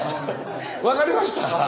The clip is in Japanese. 分かりました？